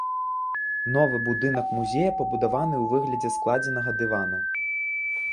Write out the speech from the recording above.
Новы будынак музея пабудаваны ў выглядзе складзенага дывана.